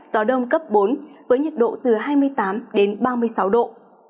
gió đông cấp bốn với nhiệt độ từ hai mươi tám đến ba mươi sáu độ